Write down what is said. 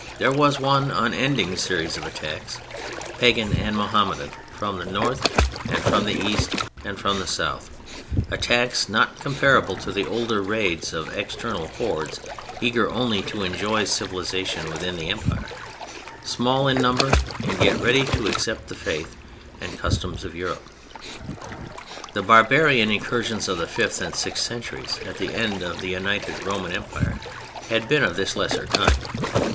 There was one unending series of attacks, Pagan and Mohammedan, from the North, from the East and from the South; attacks not comparable to the older raids of external hordes, eager only to enjoy civilization within the Empire, small in number and yet ready to accept the faith and customs of Europe. The barbarian incursions of the fifth and sixth centuries—at the end of the United Roman Empire—had been of this lesser kind.